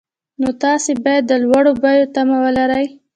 نو تاسو باید د لوړو بیو تمه ولرئ